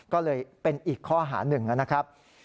ก็เลยเป็นอีกข้อหาหนึ่งนะครับ